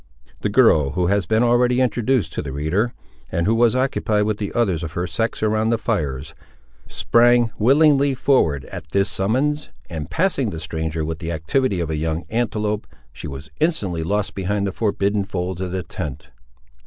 The girl who has been already introduced to the reader, and who was occupied with the others of her sex around the fires, sprang willingly forward at this summons; and, passing the stranger with the activity of a young antelope, she was instantly lost behind the forbidden folds of the tent.